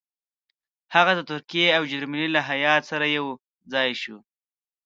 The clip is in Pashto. هغه د ترکیې او جرمني له هیات سره یو ځای شو.